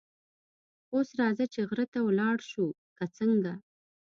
اوس راځه چې غره ته ولاړ شو، که څنګه؟